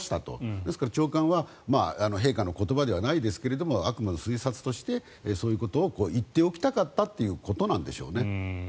ですから長官は陛下の言葉ではないですけどあくまで推察としてそういうことを言っておきたかったということなんでしょうね。